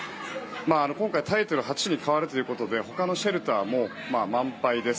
今回、タイトル８に変わるということで他のシェルターも満杯です。